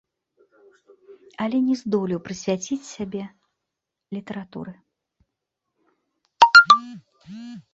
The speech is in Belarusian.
Але не здолеў прысвяціць сябе літаратуры.